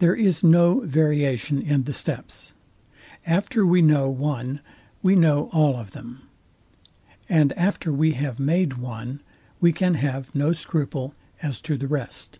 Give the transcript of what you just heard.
There is no variation in the steps. After we know one we know all of them; and after we have made one, we can have no scruple as to the rest.